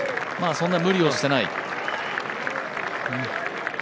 そんな無理をしてない。